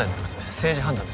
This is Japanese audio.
政治判断です